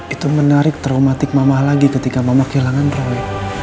itu menarik traumatik mama lagi ketika mama kehilangan roy